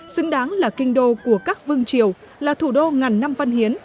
xứng đáng là kinh đô của các vương triều là thủ đô ngàn năm văn hiến